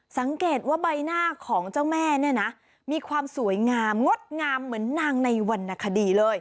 สังเกตว่าใบหน้าของเจ้าแม่เนี่ยนะมีความสวยงามงดงามเหมือนนางในวรรณคดีเลย